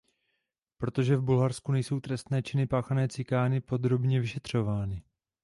Protože v Bulharsku nejsou trestné činy páchané cikány podrobně vyšetřovány.